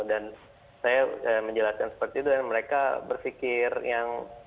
dan saya menjelaskan seperti itu dan mereka berpikir yang